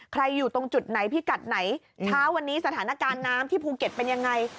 อยู่ตรงจุดไหนพิกัดไหนเช้าวันนี้สถานการณ์น้ำที่ภูเก็ตเป็นยังไง